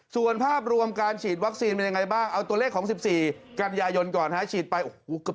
ส่วนภาพรวมการฉีดวัคซีนเป็นยังไงบ้างเอาตัวเลขของ๑๔การยายนก่อนครับ